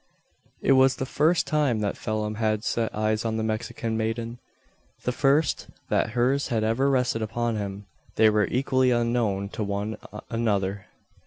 It was the first time that Phelim had set eyes on the Mexican maiden the first that hers had ever rested upon him. They were equally unknown to one another.